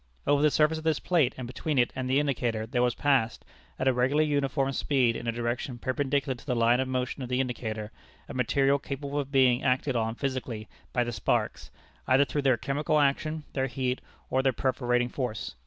Over the surface of this plate and between it and the indicator, there was passed, at a regularly uniform speed in a direction perpendicular to the line of motion of the indicator, a material capable of being acted on physically by the sparks, either through their chemical action, their heat, or their perforating force.